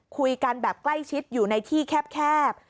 คุยกันแบบใกล้ชิดอยู่ในที่แคบ